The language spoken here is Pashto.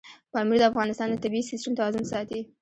پامیر د افغانستان د طبعي سیسټم توازن ساتي.